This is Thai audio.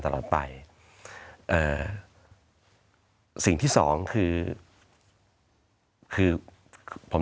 สวัสดีครับทุกคน